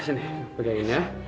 sini pegangin ya